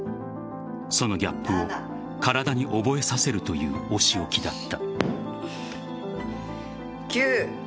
そのギャップを体に覚えさせるというお仕置きだった。